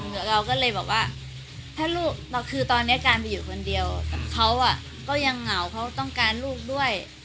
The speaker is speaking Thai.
เราก็เลยบอกว่าถ้าลูกเราคือตอนนี้การไปอยู่คนเดียวเขาก็ยังเหงาเขาต้องการลูกด้วย